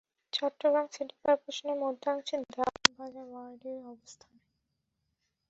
Chittagong city কর্পোরেশনের মধ্যাংশে দেওয়ান বাজার ওয়ার্ডের অবস্থান।